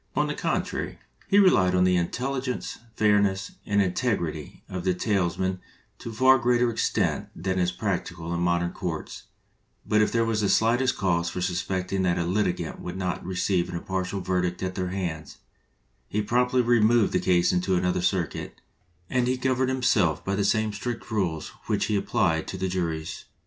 On the contrary, he relied on the intelligence, fairness, and integrity of the tales men to a far greater extent than is practical in modern courts; but if there was the slightest cause for suspecting that a litigant would not receive an impartial verdict at their hands, he promptly removed the case into another circuit, and he governed himself by the same strict rules which he applied to the juries.